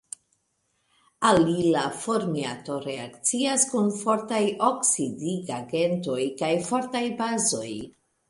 Alila formiato reakcias kun fortaj oksidigagentoj kaj fortaj bazoj.